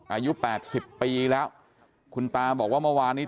อายุแปดสิบปีแล้วคุณตาบอกว่าเมื่อวานนี้